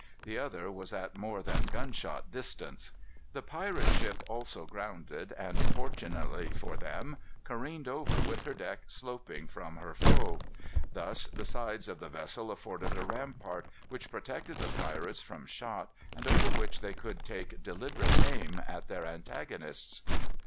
The other was at more than gunshot distance. The pirates' ship also grounded, and, fortunately for them, careened over with her deck sloping from her foe. Thus the sides of the vessel afforded a rampart, which protected the pirates from shot, and over which they could take deliberate aim at their antagonists.